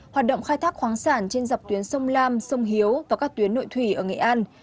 hoạt động khai thác khoáng sản trên dọc tuyến sông lam sông hiếu và các tuyến nội thủy ở nghệ an